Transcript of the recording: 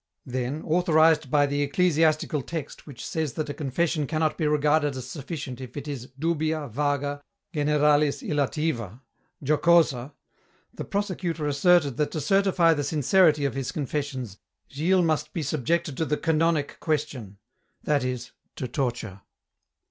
Then, authorized by the ecclesiastical text which says that a confession cannot be regarded as sufficient if it is "dubia, vaga, generalis illativa, jocosa," the Prosecutor asserted that to certify the sincerity of his confessions Gilles must be subjected to the "canonic question," that is, to torture.